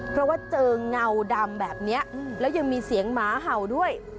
เพราะว่าเจอเงาดำแบบนี้แล้วยังมีเสียงหมาเห่าด้วย